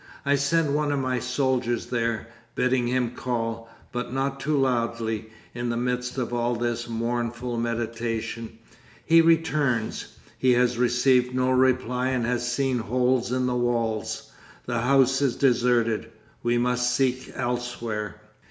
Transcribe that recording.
I send one of my soldiers there, bidding him call, but not too loudly, in the midst of all this mournful meditation. He returns; he has received no reply and has seen holes in the walls. The house is deserted. We must seek elsewhere.